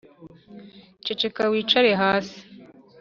ceceka wicare hasi